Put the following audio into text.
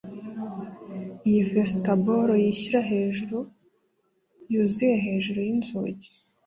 Iyi vestibule yishyira hejuru yuzuye hejuru yinzugi